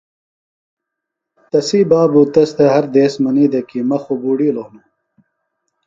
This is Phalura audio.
تسی بابوۡ تس تھےۡ ہر دیس منی دےۡ کی مہ خُوۡ بُوڈِیلوۡ ہِنوۡ۔